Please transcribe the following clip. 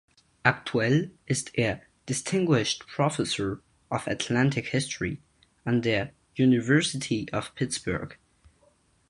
Aktuell ist er Distinguished Professor of Atlantic History an der University of Pittsburgh.